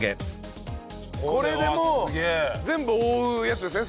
これでもう全部覆うやつですね